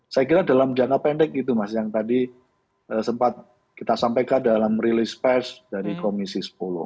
saya kira dalam jangka pendek gitu mas yang tadi sempat kita sampaikan dalam rilis pers dari komisi sepuluh